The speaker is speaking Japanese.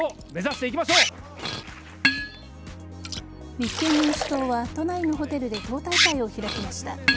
立憲民主党は都内のホテルで党大会を開きました。